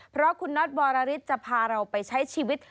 เพราะคุณน็อตวรริสจะพาเราไปใช้ชีวิต